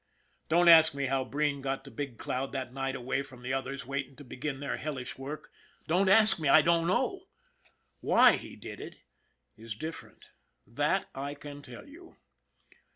Don't ask me how Breen got to Big Cloud that night away from the others waiting to begin their hellish work. Don't ask me. I don't know. Why he did it is different. That, I can tell you.